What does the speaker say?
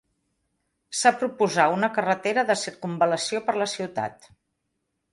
S'ha proposar una carretera de circumval·lació per la ciutat.